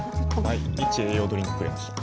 毎日栄養ドリンクくれました。